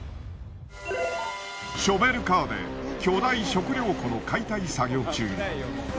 ショベルカーで巨大食料庫の解体作業中。